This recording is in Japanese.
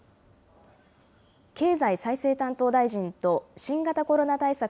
経済再生担当大臣と新型コロナ対策